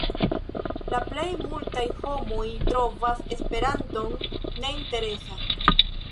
La plej multaj homoj trovas Esperanton neinteresa.